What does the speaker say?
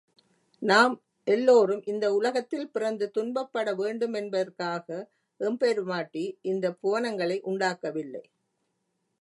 நாம் எல்லோரும் இந்த உலகத்தில் பிறந்து துன்பப்பட வேண்டுமென்பதற்காக எம்பெருமாட்டி இந்தப் புவனங்களை உண்டாக்கவில்லை.